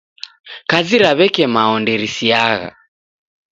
Kazi ra w'eke mao nderisiagha